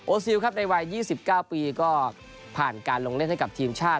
โอซิลครับในวัยยี่สิบเก้าปีก็ผ่านการลงเล่นให้กับทีมชาติ